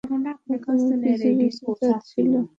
ও তোমার পিছু পিছু যাচ্ছিল!